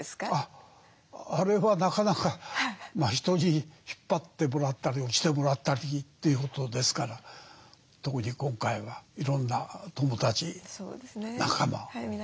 あれはなかなか人に引っ張ってもらったり押してもらったりということですから特に今回はいろんな友達仲間家族孫たちまで一生懸命ね押してくれた。